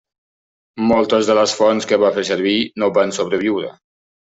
Moltes de les fonts que va fer servir no van sobreviure.